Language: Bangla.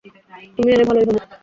তুমি এলে ভালোই হবে।